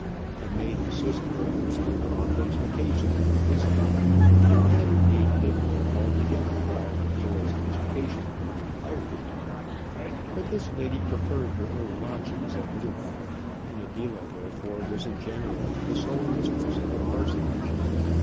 A maiden sister of Mr. Gauntlet's occasionally visited them, and had, indeed, lived there altogether while Adela's education had required it; but this lady preferred her own lodgings at Littlebath, and Adela, therefore, was in general the sole mistress of the parsonage.